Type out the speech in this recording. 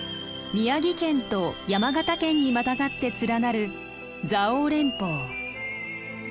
宮城県と山形県にまたがって連なる蔵王連峰。